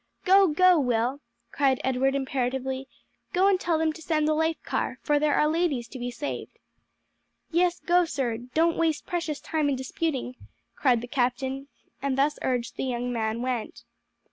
"Go, go, Will!" cried Edward imperatively; "go and tell them to send the life car, for there are ladies to be saved." "Yes, go sir; don't waste precious time in disputing," cried the captain; and thus urged the young man went.